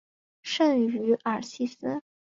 圣于尔西斯。